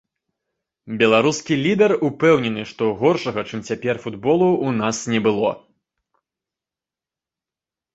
Беларускі лідар упэўнены, што горшага чым цяпер футболу ў нас не было.